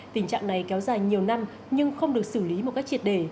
tình trạng này kéo dài nhiều năm nhưng không được xử lý một cách triệt đề